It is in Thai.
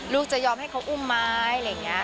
จะยอมให้เขาอุ้มไหมอะไรอย่างนี้